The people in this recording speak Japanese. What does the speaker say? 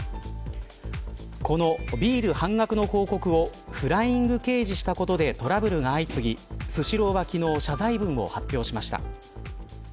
このビール半額の広告をフライング掲示したことでトラブルが相次ぎスシローは昨日謝罪文を発表しました。